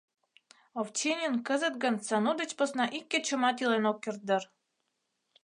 Овчинин кызыт гын Сану деч посна ик кечымат илен ок керт дыр.